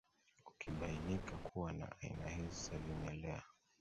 Ukibainika kuwa na aina hizi za vimelea